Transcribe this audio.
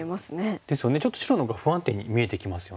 ちょっと白のほうが不安定に見えてきますよね。